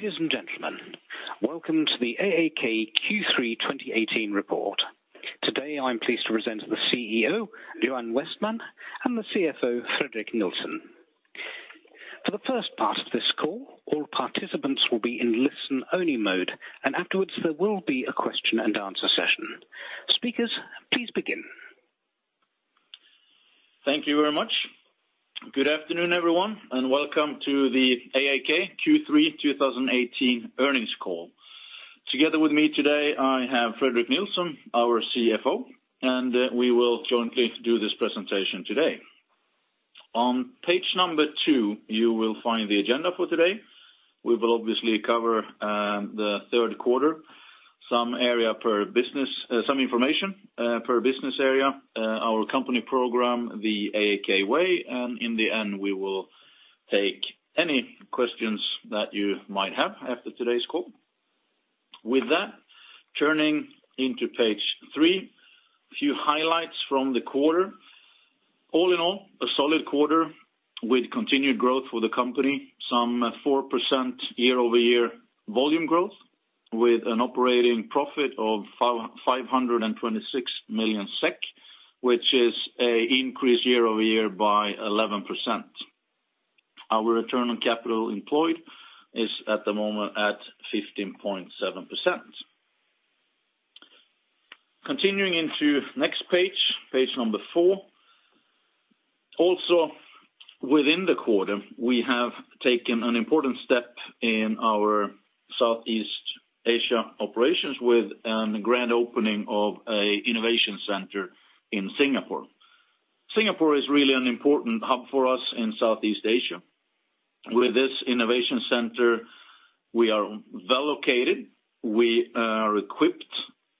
Ladies and gentlemen, welcome to the AAK Q3 2018 report. Today, I am pleased to present the CEO, Johan Westman, and the CFO, Fredrik Nilsson. For the first part of this call, all participants will be in listen-only mode, and afterwards there will be a question and answer session. Speakers, please begin. Thank you very much. Good afternoon, everyone, welcome to the AAK Q3 2018 earnings call. Together with me today, I have Fredrik Nilsson, our CFO, we will jointly do this presentation today. On page number two, you will find the agenda for today. We will obviously cover the third quarter, some information per business area, our company program, The AAK Way, in the end, we will take any questions that you might have after today's call. With that, turning into page three, a few highlights from the quarter. All in all, a solid quarter with continued growth for the company. Some 4% year-over-year volume growth with an operating profit of 526 million SEK, which is an increase year-over-year by 11%. Our Return on capital employed is at the moment at 15.7%. Continuing into next page number four. Also within the quarter, we have taken an important step in our Southeast Asia operations with a grand opening of an innovation center in Singapore. Singapore is really an important hub for us in Southeast Asia. With this innovation center, we are well located. We are equipped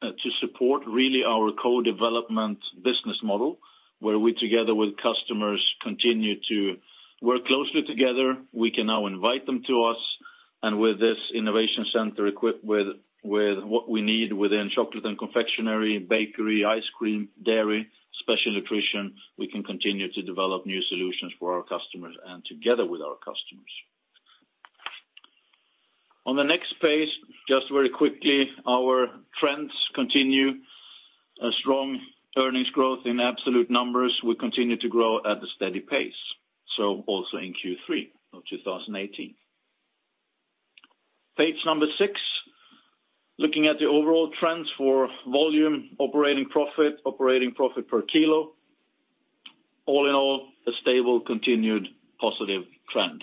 to support really our co-development business model, where we, together with customers, continue to work closely together. We can now invite them to us. With this innovation center equipped with what we need within Chocolate and Confectionery, bakery, ice cream, dairy, Special Nutrition, we can continue to develop new solutions for our customers and together with our customers. On the next page, just very quickly, our trends continue. A strong earnings growth in absolute numbers will continue to grow at a steady pace, so also in Q3 of 2018. Page number six, looking at the overall trends for volume, operating profit, operating profit per kilo. All in all, a stable continued positive trend.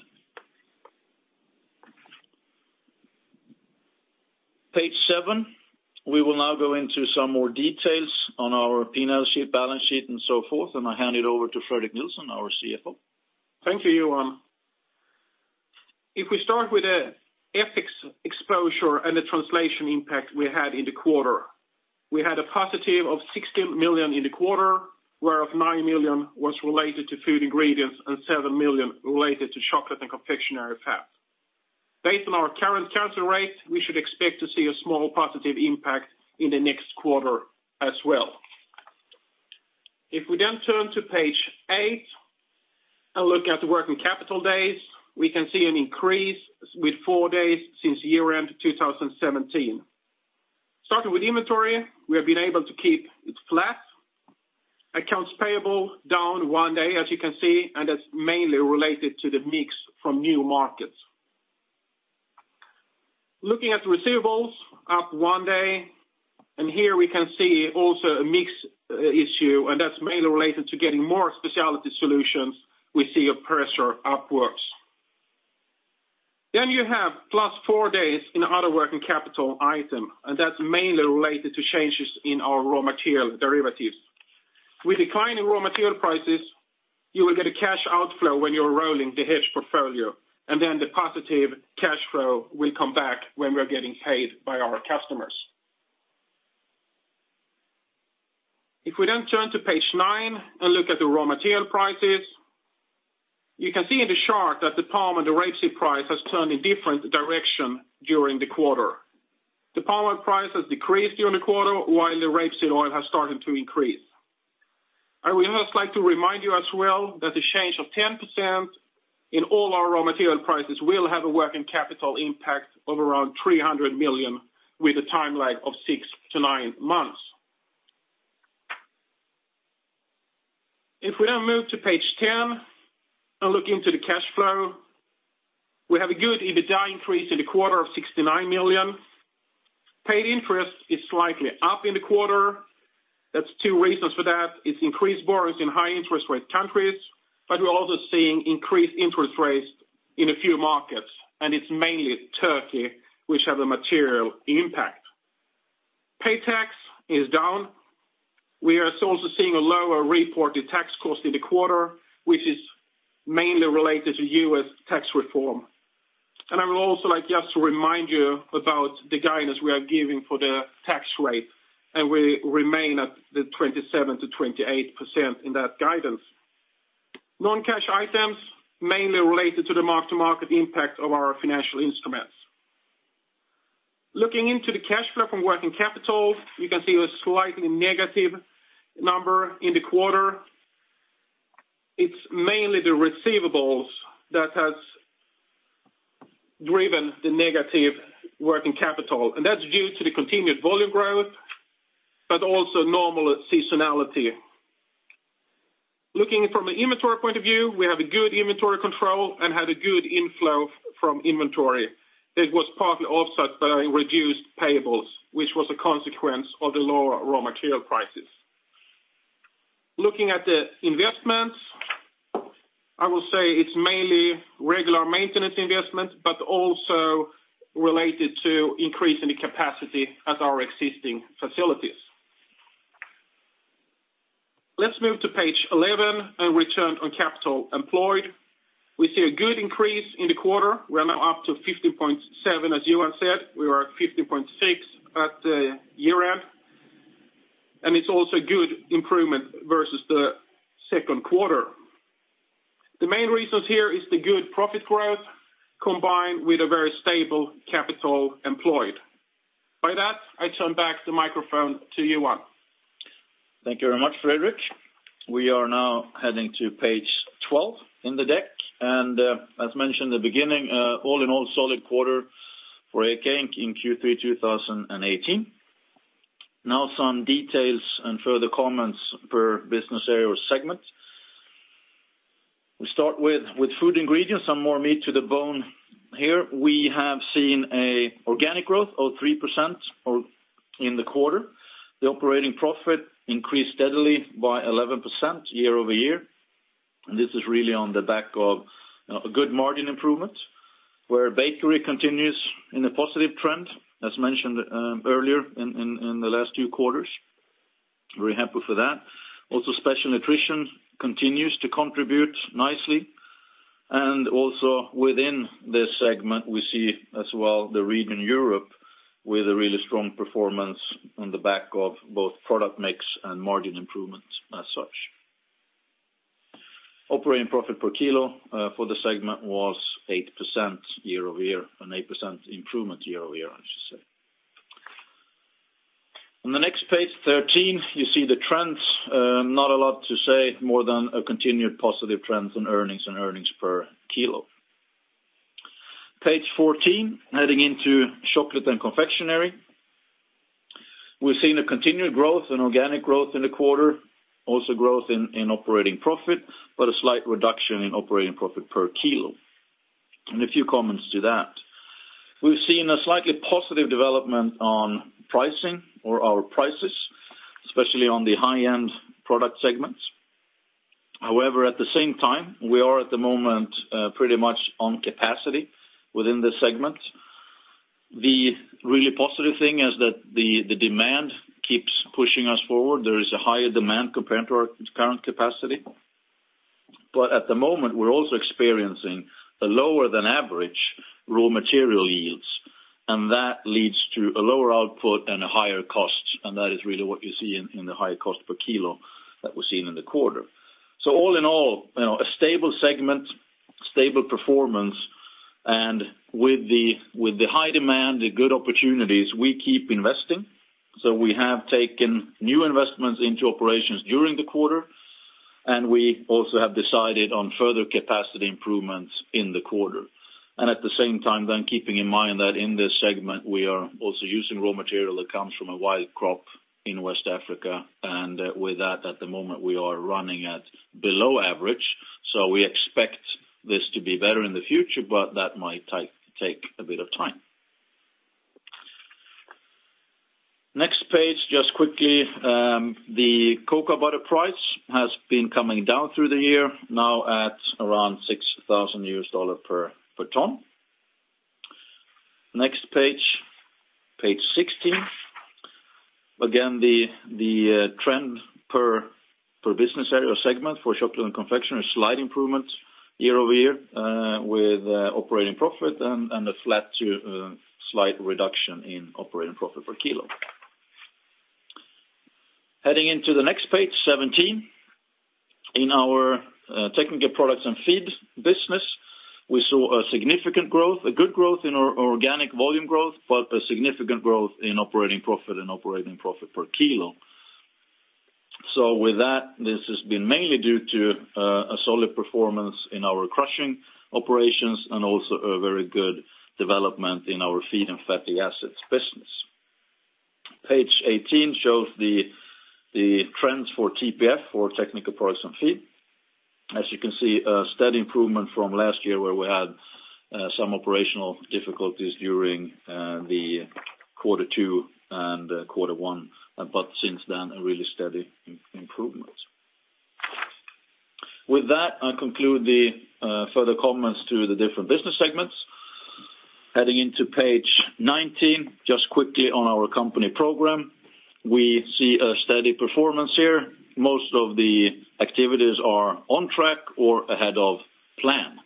Page seven, we will now go into some more details on our P&L sheet, balance sheet, so forth, I hand it over to Fredrik Nilsson, our CFO. Thank you, Johan. We start with the FX exposure and the translation impact we had in the quarter. We had a positive of 16 million in the quarter, whereof 9 million was related to Food Ingredients and 7 million related to Chocolate and Confectionery Fats. Based on our current currency rate, we should expect to see a small positive impact in the next quarter as well. We then turn to page eight and look at the working capital days, we can see an increase with four days since year-end 2017. Starting with inventory, we have been able to keep it flat. Accounts payable down one day, as you can see, and that's mainly related to the mix from new markets. Looking at the receivables, up one day, and here we can see also a mix issue, and that's mainly related to getting more specialty solutions. We see a pressure upwards. You have plus four days in other working capital item, and that's mainly related to changes in our raw material derivatives. With decline in raw material prices, you will get a cash outflow when you're rolling the hedge portfolio, and then the positive cash flow will come back when we're getting paid by our customers. We then turn to page nine and look at the raw material prices, you can see in the chart that the palm and the rapeseed price has turned a different direction during the quarter. The palm oil price has decreased during the quarter, while the rapeseed oil has started to increase. I would also like to remind you as well that the change of 10% in all our raw material prices will have a working capital impact of around 300 million with a time lag of six to nine months. We now move to page 10 and look into the cash flow, we have a good EBITDA increase in the quarter of 69 million. Paid interest is slightly up in the quarter. There's two reasons for that. It's increased borrowings in high interest rate countries, but we're also seeing increased interest rates in a few markets, and it's mainly Turkey which have a material impact. Pay tax is down. We are also seeing a lower reported tax cost in the quarter, which is mainly related to U.S. tax reform. I would also like just to remind you about the guidance we are giving for the tax rate, we remain at the 27%-28% in that guidance. Non-cash items mainly related to the mark-to-market impact of our financial instruments. Looking into the cash flow from working capital, you can see a slightly negative number in the quarter. It's mainly the receivables that has driven the negative working capital, and that's due to the continued volume growth, but also normal seasonality. Looking from an inventory point of view, we have a good inventory control and had a good inflow from inventory that was partly offset by reduced payables, which was a consequence of the lower raw material prices. Looking at the investments, I will say it's mainly regular maintenance investments, but also related to increasing the capacity at our existing facilities. Let's move to page 11 on Return on capital employed. We see a good increase in the quarter. We are now up to 15.7, as Johan said. We were at 15.6 at the year-end, and it's also good improvement versus the second quarter. The main reasons here is the good profit growth combined with a very stable capital employed. By that, I turn back the microphone to Fredrik. Thank you very much, Fredrik. We are now heading to page 12 in the deck, and as mentioned in the beginning, all in all, solid quarter for AAK in Q3 2018. Now some details and further comments per business area or segment. We start with Food Ingredients, some more meat to the bone here. We have seen a organic growth of 3% in the quarter. The operating profit increased steadily by 11% year-over-year. This is really on the back of a good margin improvement, where bakery continues in a positive trend, as mentioned earlier in the last two quarters. Very happy for that. Also, Special Nutrition continues to contribute nicely. Also within this segment, we see as well the region Europe with a really strong performance on the back of both product mix and margin improvements as such. Operating profit per kilo for the segment was 8% year-over-year, an 8% improvement year-over-year, I should say. On the next page 13, you see the trends, not a lot to say more than a continued positive trend on earnings and earnings per kilo. Page 14, heading into Chocolate and Confectionery. We've seen a continued growth and organic growth in the quarter, also growth in operating profit, but a slight reduction in operating profit per kilo. A few comments to that. We've seen a slightly positive development on pricing or our prices, especially on the high-end product segments. However, at the same time, we are at the moment pretty much on capacity within this segment. The really positive thing is that the demand keeps pushing us forward. There is a higher demand compared to our current capacity. At the moment, we're also experiencing a lower than average raw material yields, and that leads to a lower output and a higher cost, and that is really what you see in the higher cost per kilo that we've seen in the quarter. All in all, a stable segment, stable performance, and with the high demand, the good opportunities, we keep investing. We have taken new investments into operations during the quarter, and we also have decided on further capacity improvements in the quarter. At the same time then, keeping in mind that in this segment, we are also using raw material that comes from a wild crop in West Africa. With that, at the moment, we are running at below average. We expect this to be better in the future, but that might take a bit of time. Next page, just quickly. The cocoa butter price has been coming down through the year, now at around $6,000 US dollar per ton. Next page 16. Again, the trend per business area segment for Chocolate and Confectionery, a slight improvement year-over-year with operating profit and a flat to slight reduction in operating profit per kilo. Heading into the next page 17. In our Technical Products and Feed business, we saw a significant growth, a good growth in our organic volume growth, a significant growth in operating profit and operating profit per kilo. With that, this has been mainly due to a solid performance in our crushing operations and also a very good development in our feed and fatty acids business. Page 18 shows the trends for TPF or Technical Products and Feed. As you can see, a steady improvement from last year where we had some operational difficulties during the quarter two and quarter one, since then, a really steady improvement. With that, I conclude the further comments to the different business segments. Heading into page 19, just quickly on our company program. We see a steady performance here. Most of the activities are on track or ahead of plan.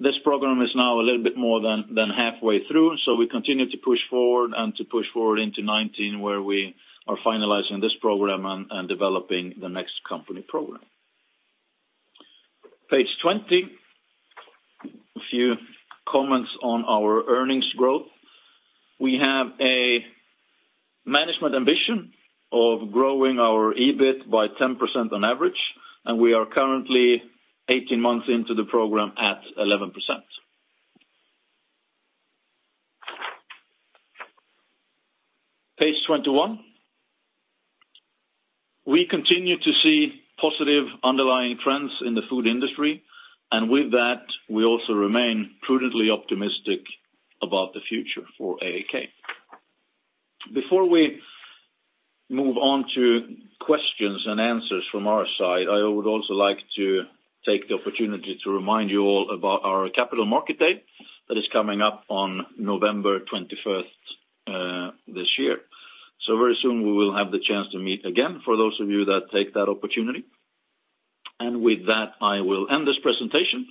This program is now a little bit more than halfway through, we continue to push forward and to push forward into 2019 where we are finalizing this program and developing the next company program. Page 20. Comments on our earnings growth. We have a management ambition of growing our EBIT by 10% on average, and we are currently 18 months into the program at 11%. Page 21. We continue to see positive underlying trends in the food industry, with that, we also remain prudently optimistic about the future for AAK. Before we move on to questions and answers from our side, I would also like to take the opportunity to remind you all about our Capital Markets Day that is coming up on November 21st this year. Very soon we will have the chance to meet again for those of you that take that opportunity. With that, I will end this presentation,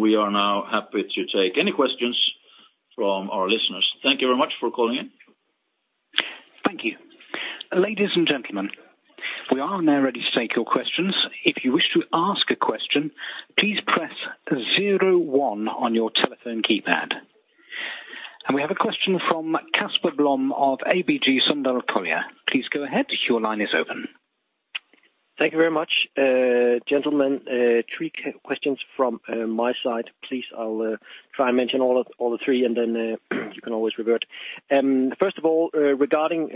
we are now happy to take any questions from our listeners. Thank you very much for calling in. Thank you. Ladies and gentlemen, we are now ready to take your questions. If you wish to ask a question, please press 01 on your telephone keypad. We have a question from Kasper Blom of ABG Sundal Collier. Please go ahead. Your line is open. Thank you very much. Gentlemen, three questions from my side, please. I'll try and mention all the three, then you can always revert. First of all, regarding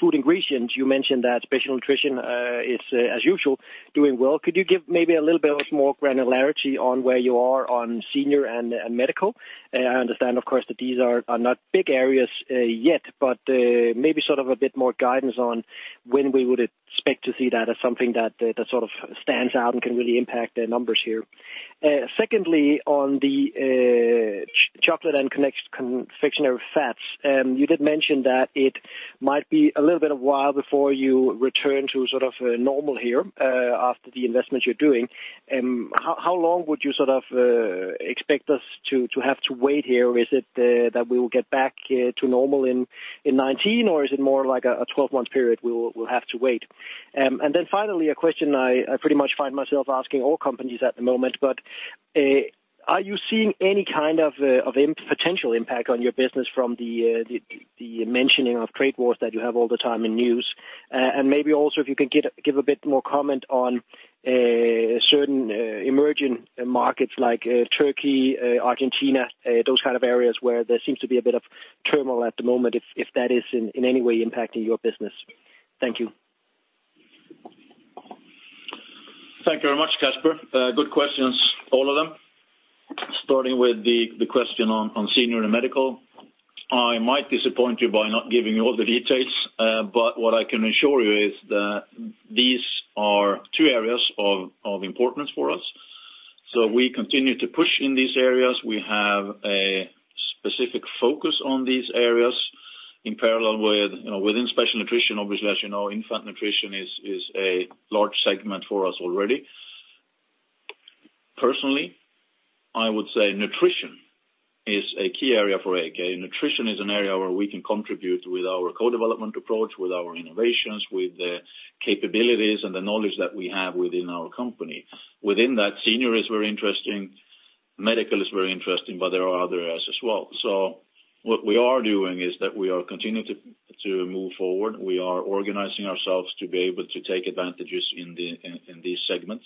Food Ingredients, you mentioned that Special Nutrition is, as usual, doing well. Could you give maybe a little bit of more granularity on where you are on senior and medical? I understand, of course, that these are not big areas yet, maybe sort of a bit more guidance on when we would expect to see that as something that sort of stands out and can really impact the numbers here. Secondly, on the Chocolate and Confectionery Fats, you did mention that it might be a little bit of while before you return to sort of a normal here after the investment you're doing. How long would you sort of expect us to have to wait here? Is it that we will get back to normal in 2019, or is it more like a 12-month period we'll have to wait? Finally, a question I pretty much find myself asking all companies at the moment, are you seeing any kind of potential impact on your business from the mentioning of trade wars that you have all the time in news? Maybe also if you could give a bit more comment on certain emerging markets like Turkey, Argentina, those kind of areas where there seems to be a bit of turmoil at the moment, if that is in any way impacting your business. Thank you. Thank you very much, Kasper. Good questions, all of them. Starting with the question on senior and medical. I might disappoint you by not giving you all the details, what I can assure you is that these are two areas of importance for us. We continue to push in these areas. We have a specific focus on these areas in parallel within Special Nutrition, obviously, as you know, infant nutrition is a large segment for us already. Personally, I would say nutrition is a key area for AAK. Nutrition is an area where we can contribute with our co-development approach, with our innovations, with the capabilities and the knowledge that we have within our company. Within that, senior is very interesting, medical is very interesting, there are other areas as well. What we are doing is that we are continuing to move forward. We are organizing ourselves to be able to take advantages in these segments.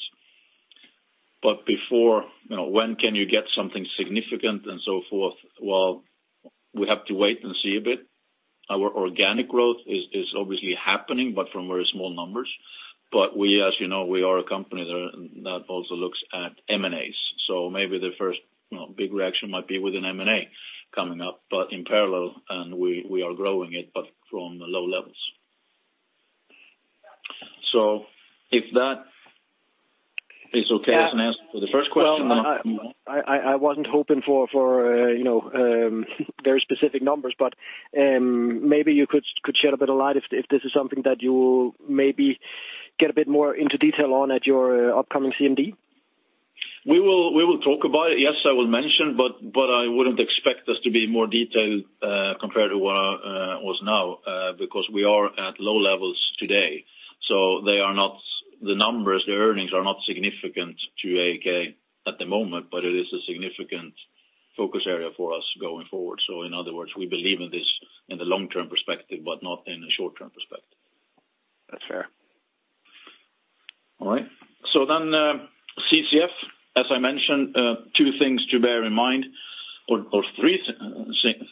Before, when can you get something significant and so forth? We have to wait and see a bit. Our organic growth is obviously happening, from very small numbers. We, as you know, we are a company that also looks at M&As. Maybe the first big reaction might be with an M&A coming up, in parallel, we are growing it, from low levels. If that is okay as an answer for the first question. I wasn't hoping for very specific numbers, but maybe you could shed a bit of light if this is something that you will maybe get a bit more into detail on at your upcoming CMD. We will talk about it. I will mention, but I wouldn't expect us to be more detailed compared to what was now, because we are at low levels today. The numbers, the earnings are not significant to AAK at the moment, but it is a significant focus area for us going forward. In other words, we believe in this in the long-term perspective, but not in a short-term perspective. That's fair. CCF, as I mentioned, two things to bear in mind or three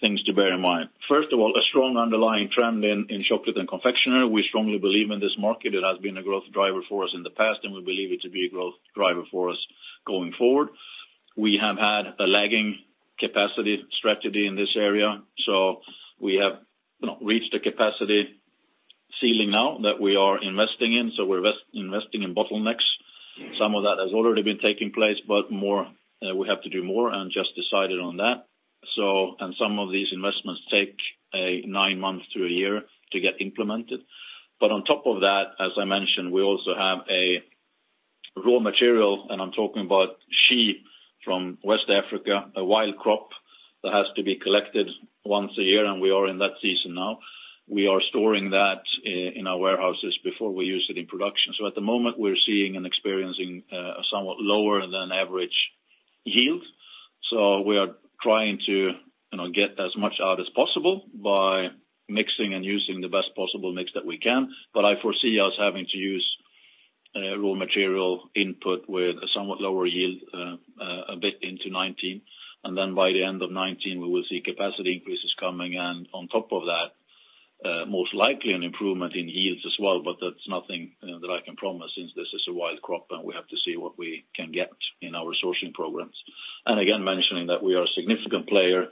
things to bear in mind. First of all, a strong underlying trend in Chocolate and Confectionery. We strongly believe in this market. It has been a growth driver for us in the past, and we believe it to be a growth driver for us going forward. We have had a lagging capacity strategy in this area. We have reached a capacity ceiling now that we are investing in. We're investing in bottlenecks. Some of that has already been taking place, but we have to do more and just decided on that. Some of these investments take nine months to a year to get implemented. On top of that, as I mentioned, we also have a raw material, and I am talking about shea from West Africa, a wild crop that has to be collected once a year, and we are in that season now. We are storing that in our warehouses before we use it in production. At the moment, we are seeing and experiencing a somewhat lower than average yield. We are trying to get as much out as possible by mixing and using the best possible mix that we can. I foresee us having to use raw material input with a somewhat lower yield a bit into 2019. By the end of 2019, we will see capacity increases coming in. On top of that, most likely an improvement in yields as well, but that is nothing that I can promise since this is a wild crop and we have to see what we can get in our sourcing programs. Again, mentioning that we are a significant player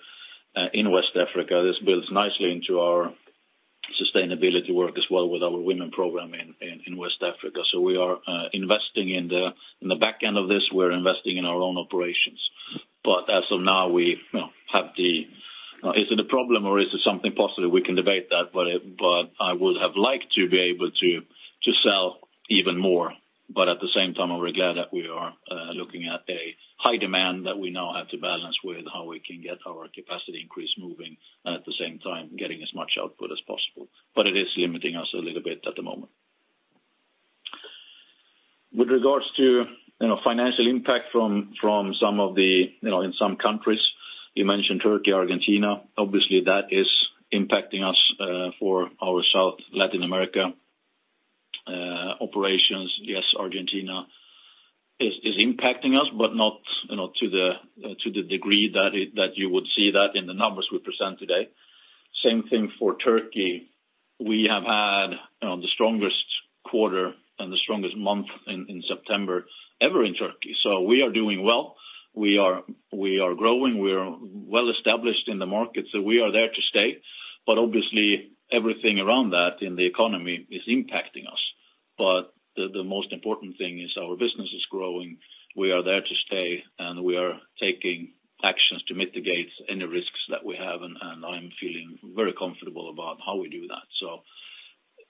in West Africa. This builds nicely into our sustainability work as well with our women program in West Africa. We are investing in the back end of this. We are investing in our own operations. As of now, is it a problem or is it something positive? We can debate that, but I would have liked to be able to sell even more. At the same time, we are glad that we are looking at a high demand that we now have to balance with how we can get our capacity increase moving, and at the same time, getting as much output as possible. It is limiting us a little bit at the moment. With regards to financial impact in some countries, you mentioned Turkey, Argentina. Obviously, that is impacting us for our South Latin America operations. Yes, Argentina is impacting us, but not to the degree that you would see that in the numbers we present today. Same thing for Turkey. We have had the strongest quarter and the strongest month in September ever in Turkey. We are doing well. We are growing. We are well established in the market, so we are there to stay. Obviously, everything around that in the economy is impacting us. The most important thing is our business is growing. We are there to stay, and we are taking actions to mitigate any risks that we have, and I am feeling very comfortable about how we do that.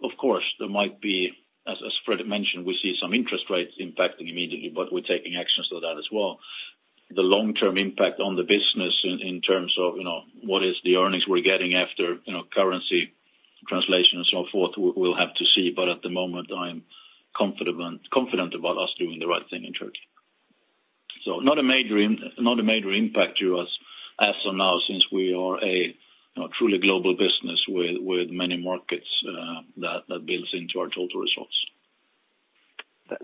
Of course, there might be, as Fred mentioned, we see some interest rates impacting immediately, but we are taking actions to that as well. The long-term impact on the business in terms of what is the earnings we are getting after currency translation and so forth, we will have to see. At the moment, I am confident about us doing the right thing in Turkey. Not a major impact to us as of now, since we are a truly global business with many markets that builds into our total results.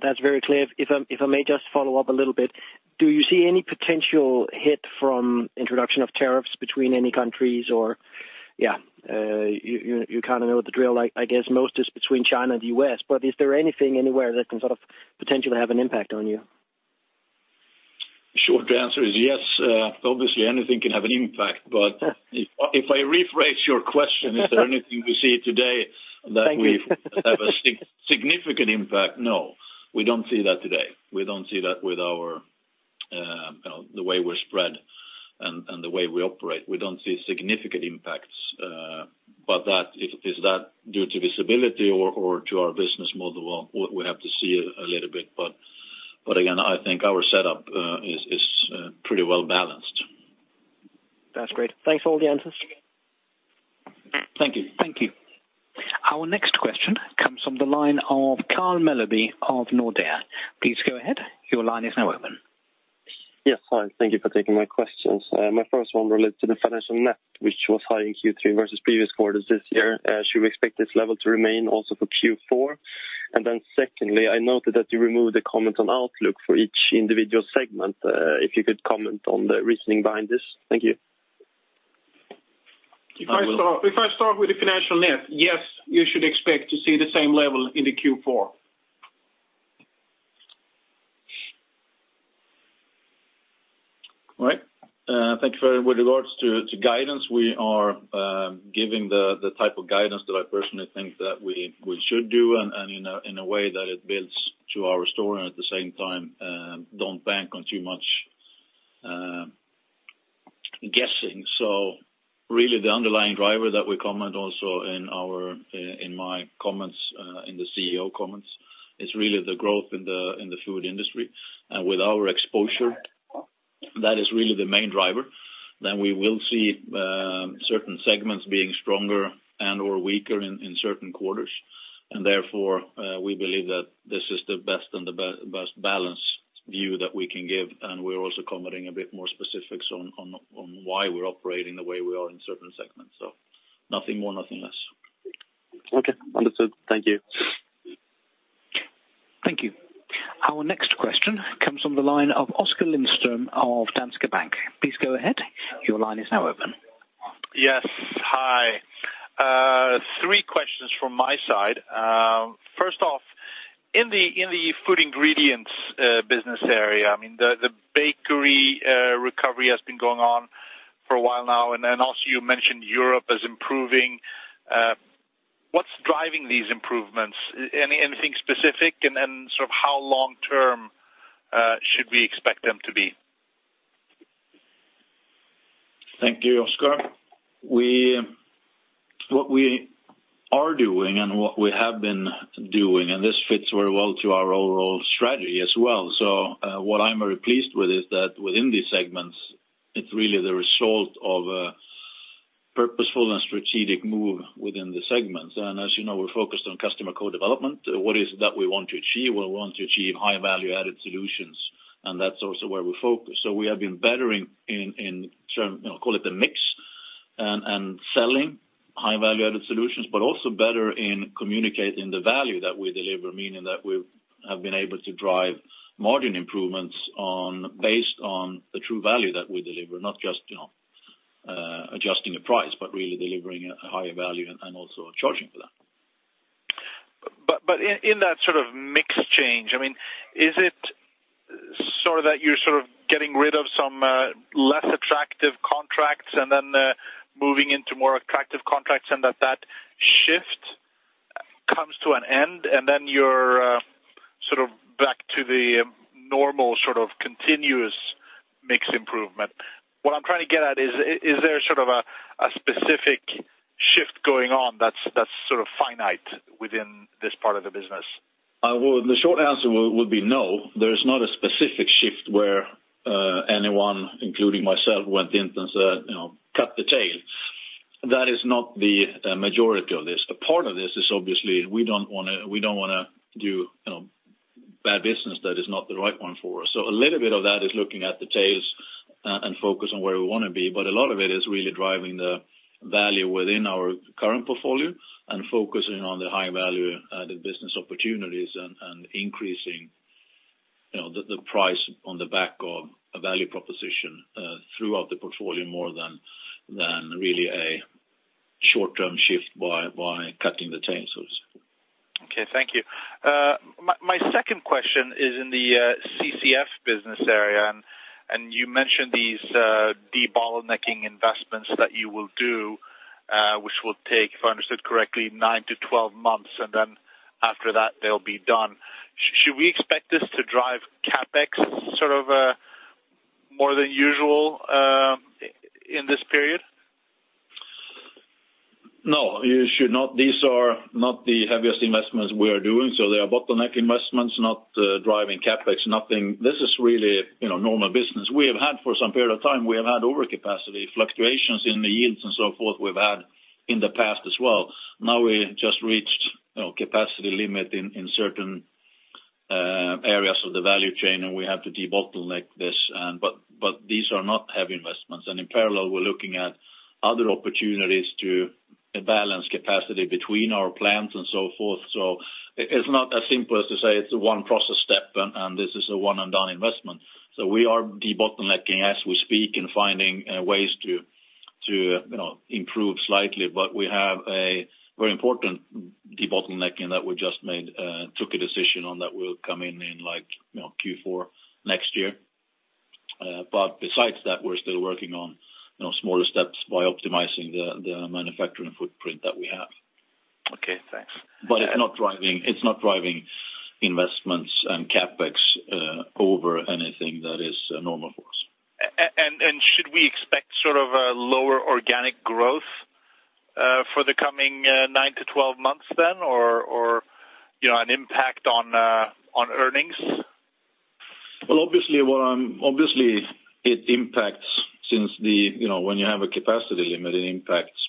That's very clear. If I may just follow up a little bit. Do you see any potential hit from introduction of tariffs between any countries or, yeah. You know the drill, I guess most is between China and the U.S., is there anything anywhere that can potentially have an impact on you? Short answer is yes. Obviously, anything can have an impact, if I rephrase your question, is there anything we see today. Thank you that we have a significant impact? No. We don't see that today. We don't see that with the way we're spread and the way we operate. We don't see significant impacts. Is that due to visibility or to our business model? We have to see a little bit, again, I think our setup is pretty well-balanced. That's great. Thanks for all the answers. Thank you. Thank you. Our next question comes from the line of Carl Mellby of Nordea. Please go ahead. Your line is now open. Yes, hi. Thank you for taking my questions. My first one relates to the financial net, which was high in Q3 versus previous quarters this year. Should we expect this level to remain also for Q4? Secondly, I noted that you removed the comment on outlook for each individual segment. If you could comment on the reasoning behind this. Thank you. If I start with the financial net. Yes, you should expect to see the same level into Q4. All right. Thank you. With regards to guidance, we are giving the type of guidance that I personally think that we should do, and in a way that it builds to our story and at the same time, don't bank on too much guessing. Really the underlying driver that we comment also in my comments, in the CEO comments, is really the growth in the food industry. With our exposure, that is really the main driver. We will see certain segments being stronger and/or weaker in certain quarters. Therefore, we believe that this is the best and the best balanced view that we can give, and we're also commenting a bit more specifics on why we're operating the way we are in certain segments. Nothing more, nothing less. Okay, understood. Thank you. Thank you. Our next question comes from the line of Oskar Lindström of Danske Bank. Please go ahead. Your line is now open. Yes. Hi. Three questions from my side. First off, in the Food Ingredients business area, the bakery recovery has been going on for a while now, also you mentioned Europe is improving. What's driving these improvements? Anything specific, how long-term should we expect them to be? Thank you, Oskar. What we are doing and what we have been doing, this fits very well to our overall strategy as well. What I'm very pleased with is that within these segments, it's really the result of a purposeful and strategic move within the segments. As you know, we're focused on customer co-development. What is it that we want to achieve? Well, we want to achieve high value-added solutions, that's also where we focus. We have been better in, call it the mix, selling high value-added solutions, also better in communicating the value that we deliver, meaning that we have been able to drive margin improvements based on the true value that we deliver, not just adjusting the price, really delivering a higher value and also charging for that. In that sort of mix change, is it that you're sort of getting rid of some less attractive contracts moving into more attractive contracts that shift comes to an end, you're back to the normal continuous mix improvement? What I'm trying to get at is there a specific shift going on that's finite within this part of the business? The short answer would be no, there's not a specific shift where anyone, including myself, went in and said, "Cut the tail." That is not the majority of this. A part of this is obviously we don't want to do bad business that is not the right one for us. A little bit of that is looking at the tails and focus on where we want to be, a lot of it is really driving the value within our current portfolio focusing on the high-value-added business opportunities and increasing the price on the back of a value proposition throughout the portfolio more than really a short-term shift by cutting the tails. Okay, thank you. My second question is in the CCF business area. You mentioned these debottlenecking investments that you will do, which will take, if I understood correctly, 9-12 months, and then after that they'll be done. Should we expect this to drive CapEx more than usual in this period? No, you should not. They are not the heaviest investments we are doing. They are bottleneck investments, not driving CapEx, nothing. This is really normal business. We have had for some period of time overcapacity fluctuations in the yields and so forth we've had in the past as well. Now we just reached capacity limit in certain areas of the value chain. We have to debottleneck this. These are not heavy investments. In parallel, we're looking at other opportunities to balance capacity between our plants and so forth. It's not as simple as to say it's a one-process step and this is a one-and-done investment. We are debottlenecking as we speak and finding ways to improve slightly. We have a very important debottlenecking that we just took a decision on that will come in in Q4 next year. Besides that, we're still working on smaller steps by optimizing the manufacturing footprint that we have. Okay, thanks. It's not driving investments and CapEx over anything that is normal for us. Should we expect a lower organic growth for the coming nine to 12 months then, or an impact on earnings? Well, obviously, it impacts since when you have a capacity limit, it impacts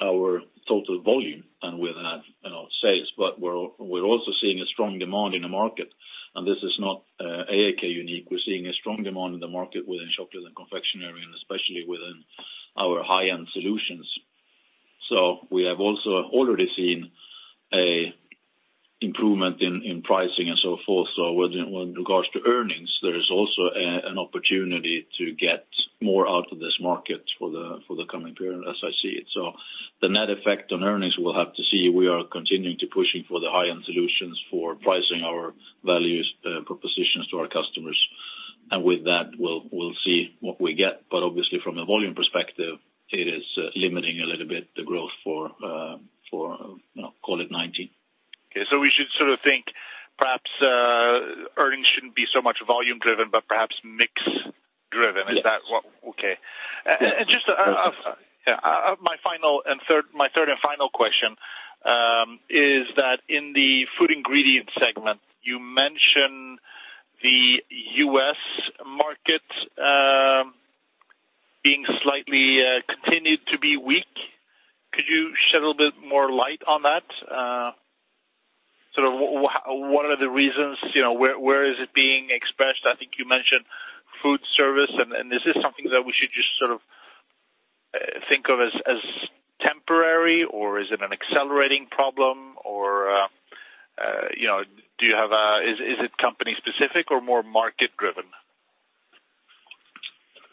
our total volume and with that sales. We're also seeing a strong demand in the market, and this is not AAK unique. We're seeing a strong demand in the market within Chocolate and Confectionery, and especially within our high-end solutions. We have also already seen improvement in pricing and so forth. With regards to earnings, there is also an opportunity to get more out of this market for the coming period, as I see it. The net effect on earnings, we'll have to see. We are continuing to pushing for the high-end solutions for pricing our value propositions to our customers. With that, we'll see what we get. Obviously from a volume perspective, it is limiting a little bit the growth for, call it 2019. Okay. We should think perhaps earnings shouldn't be so much volume driven, but perhaps mix driven. Yes. Is that okay. Yes. My third and final question is that in the Food Ingredients segment, you mentioned the U.S. market being slightly continued to be weak. Could you shed a little bit more light on that? What are the reasons? Where is it being expressed? I think you mentioned food service. Is this something that we should just think of as temporary, or is it an accelerating problem? Is it company specific or more market driven?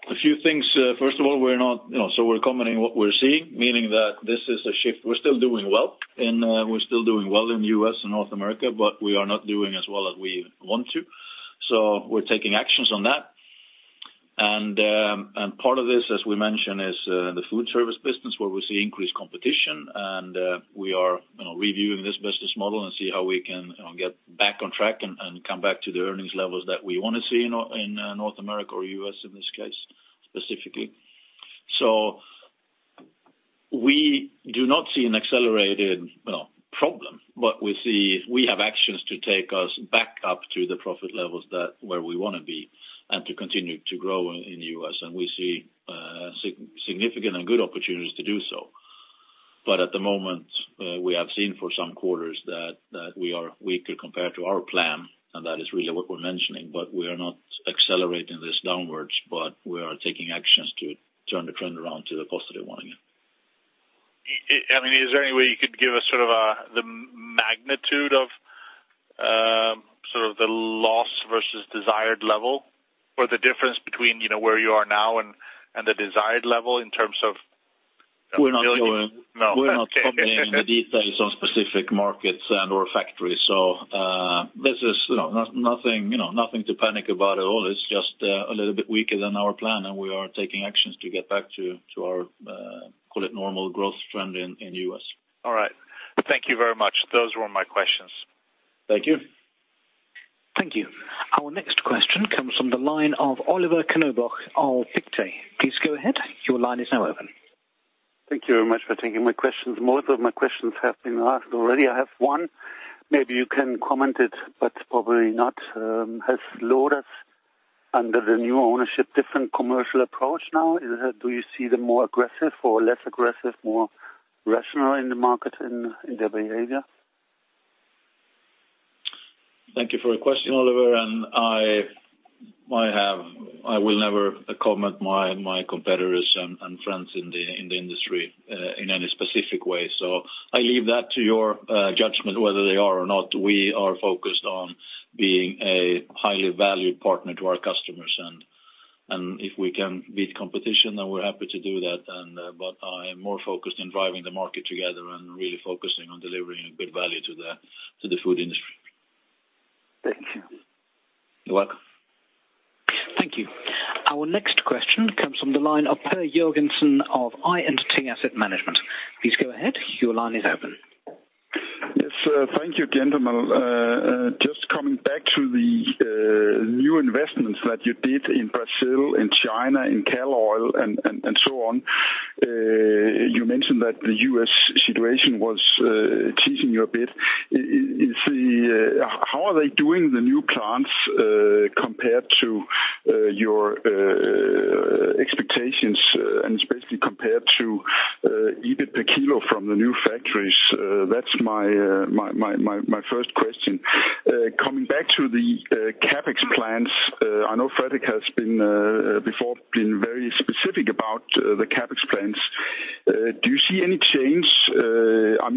A few things. First of all, we are commenting what we are seeing, meaning that this is a shift. We are still doing well in U.S. and North America. We are not doing as well as we want to. We are taking actions on that. Part of this, as we mentioned, is the food service business where we see increased competition. We are reviewing this business model and see how we can get back on track and come back to the earnings levels that we want to see in North America or U.S. in this case, specifically. We do not see an accelerated problem. We see we have actions to take us back up to the profit levels where we want to be, to continue to grow in U.S., and we see significant and good opportunities to do so. At the moment, we have seen for some quarters that we are weaker compared to our plan. That is really what we are mentioning. We are not accelerating this downwards. We are taking actions to turn the trend around to the positive one again. Is there any way you could give us the magnitude of the loss versus desired level, or the difference between where you are now and the desired level in terms of- We're not going- No. We're not commenting the details on specific markets and/or factories. This is nothing to panic about at all. It's just a little bit weaker than our plan, and we are taking actions to get back to our, call it normal growth trend in U.S. All right. Thank you very much. Those were my questions. Thank you. Thank you. Our next question comes from the line of Oliver Knobloch of Pictet. Please go ahead. Your line is now open. Thank you very much for taking my questions. Most of my questions have been asked already. I have one, maybe you can comment it, but probably not. Has Loders, under the new ownership, different commercial approach now? Do you see them more aggressive or less aggressive, more rational in the market in their behavior? Thank you for your question, Oliver, and I will never comment my competitors and friends in the industry in any specific way. I leave that to your judgment whether they are or not. We are focused on being a highly valued partner to our customers, and if we can beat competition, then we're happy to do that. I am more focused on driving the market together and really focusing on delivering good value to the food industry. Thank you. You're welcome. Thank you. Our next question comes from the line of Per Jorgensen of I&T Asset Management. Please go ahead. Your line is open. Yes. Thank you, gentlemen. Just coming back to the new investments that you did in Brazil, in China, in Canola Oil, and so on. You mentioned that the U.S. situation was teasing you a bit. How are they doing, the new plants, compared to your expectations, and especially compared to EBIT per kilo from the new factories? That's my first question. Coming back to the CapEx plans, I know Fredrik has before been very specific about the CapEx plans. Do you see any change?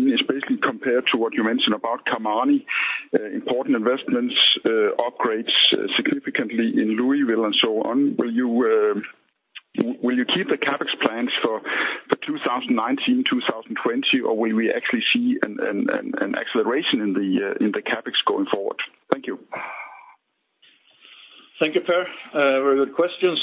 It's basically compared to what you mentioned about Karlshamn, important investments, upgrades significantly in Louisville and so on. Will you keep the CapEx plans for 2019, 2020, or will we actually see an acceleration in the CapEx going forward? Thank you. Thank you, Per. Very good question.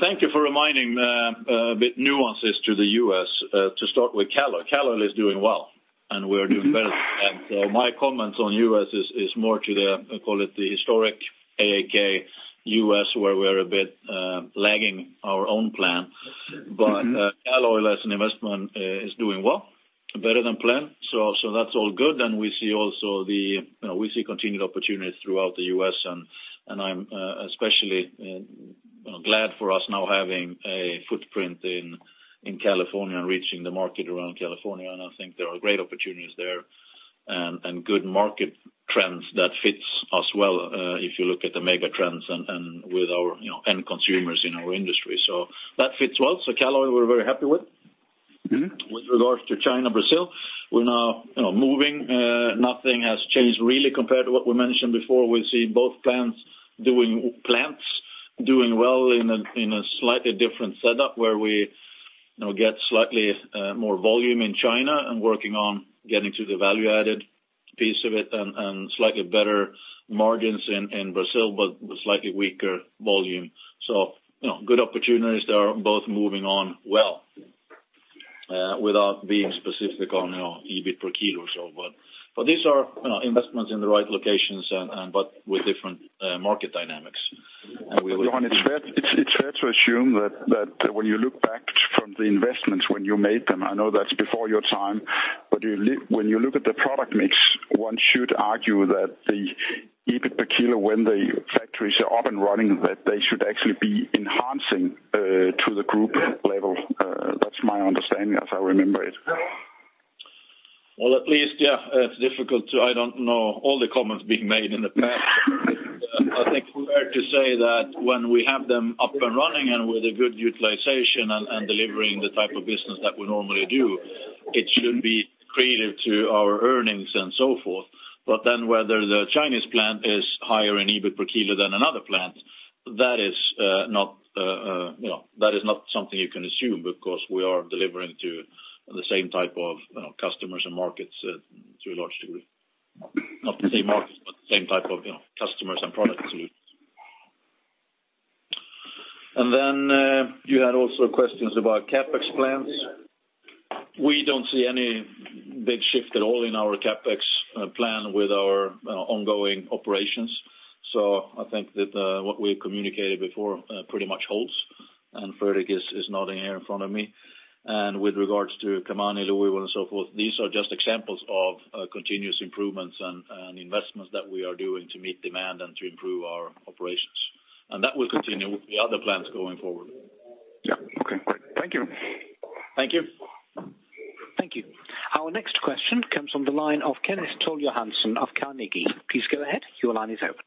Thank you for reminding the nuances to the U.S. To start with Canola Oil. Canola Oil is doing well, and we're doing better. My comments on U.S. is more to the, call it the historic AAK USA, where we're a bit lagging our own plan. Canola Oil as an investment is doing well, better than planned. That's all good, and we see continued opportunities throughout the U.S., and I'm especially glad for us now having a footprint in California and reaching the market around California, and I think there are great opportunities there and good market trends that fits us well, if you look at the mega trends and with our end consumers in our industry. That fits well. Canola Oil, we're very happy with. With regards to China, Brazil, we're now moving. Nothing has changed really compared to what we mentioned before. We see both plants doing well in a slightly different setup, where we get slightly more volume in China and working on getting to the value-added piece of it, and slightly better margins in Brazil, but with slightly weaker volume. Good opportunities there, both moving on well, without being specific on EBIT per kilo. These are investments in the right locations, but with different market dynamics. Johan, it's fair to assume that when you look back from the investments when you made them, I know that's before your time, but when you look at the product mix, one should argue that the EBIT per kilo, when the factories are up and running, that they should actually be enhancing to the group level. That's my understanding as I remember it. Well, at least, it's difficult to I don't know all the comments being made in the past. I think fair to say that when we have them up and running and with a good utilization and delivering the type of business that we normally do, it should be accretive to our earnings and so forth. Whether the Chinese plant is higher in EBIT per kilo than another plant, that is not something you can assume because we are delivering to the same type of customers and markets to a large degree. Not the same markets, but the same type of customers and products. Then you had also questions about CapEx plans. We don't see any big shift at all in our CapEx plan with our ongoing operations. I think that what we communicated before pretty much holds. Fredrik is nodding here in front of me. With regards to Kalshamn, Louisville, and so forth, these are just examples of continuous improvements and investments that we are doing to meet demand and to improve our operations. That will continue with the other plans going forward. Yeah. Okay, great. Thank you. Thank you. Thank you. Our next question comes from the line of Kenneth Toll Johansson of Carnegie. Please go ahead. Your line is open.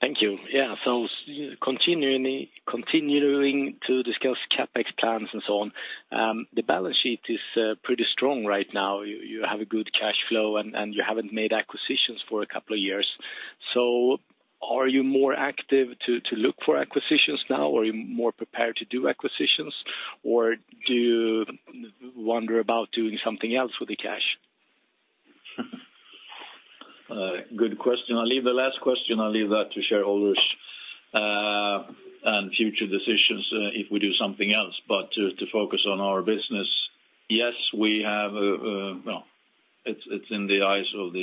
Thank you. Continuing to discuss CapEx plans and so on. The balance sheet is pretty strong right now. You have a good cash flow, and you haven't made acquisitions for a couple of years. Are you more active to look for acquisitions now, or are you more prepared to do acquisitions, or do you wonder about doing something else with the cash? Good question. I'll leave the last question, I'll leave that to shareholders, and future decisions if we do something else. To focus on our business, yes, it's in the eyes of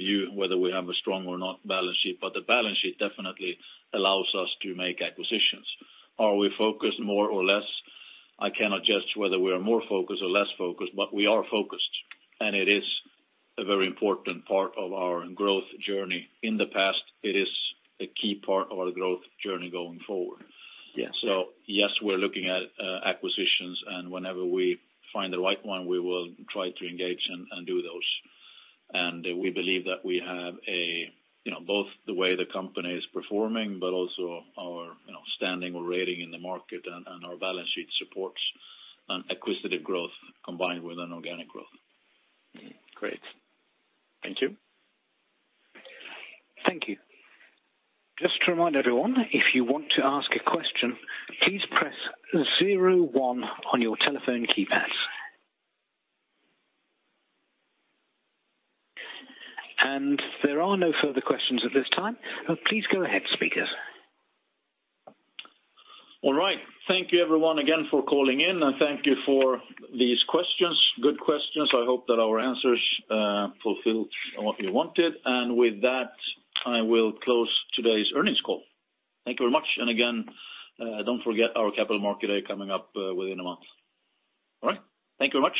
you whether we have a strong or not balance sheet, but the balance sheet definitely allows us to make acquisitions. Are we focused more or less? I cannot judge whether we are more focused or less focused, but we are focused, and it is a very important part of our growth journey in the past. It is a key part of our growth journey going forward. Yeah. Yes, we're looking at acquisitions, and whenever we find the right one, we will try to engage and do those. We believe that we have both the way the company is performing, but also our standing or rating in the market, and our balance sheet supports an acquisitive growth combined with an organic growth. Great. Thank you. Thank you. Just to remind everyone, if you want to ask a question, please press 01 on your telephone keypads. There are no further questions at this time. Please go ahead, speakers. All right. Thank you everyone again for calling in, and thank you for these questions. Good questions. I hope that our answers fulfilled what you wanted. With that, I will close today's earnings call. Thank you very much. Again, don't forget our Capital Market Day coming up within a month. All right. Thank you very much.